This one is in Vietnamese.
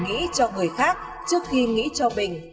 nghĩ cho người khác trước khi nghĩ cho mình